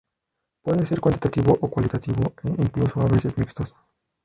Puede ser cuantitativo o cualitativo, e incluso a veces, mixtos.